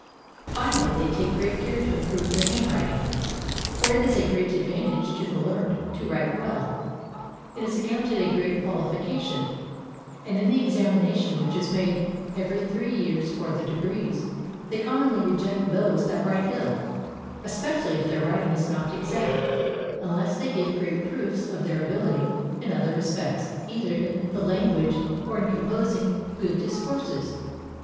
Finally, they take great care to improve their hand writing, for it is a great advantage to the learned to write well. It is accounted a great qualification, and in the examination which is made every three years for the degrees, they commonly reject those that write ill, especially if their writing is not exact, unless they give great proofs of their ability in other respects, either in the language or in composing good discourses.